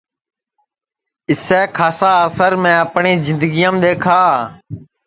اِسے کھاسا اسر میں اپٹؔی جِندگیام دؔیکھا